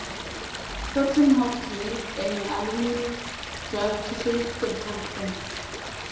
Faxon helped lead an alumni drive to save the program.